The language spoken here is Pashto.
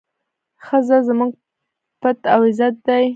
ښځه زموږ پت او عزت دی.